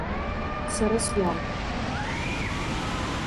Сара суал.